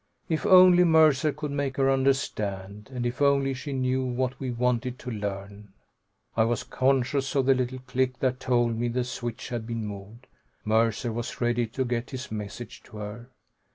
If only Mercer could make her understand, and if only she knew what we wanted to learn! I was conscious of the little click that told me the switch had been moved. Mercer was ready to get his message to her.